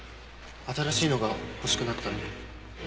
新しいのが欲しくなったので。